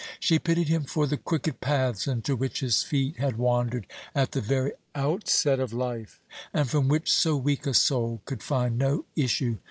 She pitied him for the crooked paths into which his feet had wandered at the very outset of life, and from which so weak a soul could find no issue.